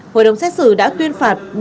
hội đồng xét xử đã tuyên phạt